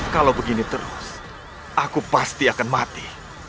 kalau begini terus aku pasti akan mati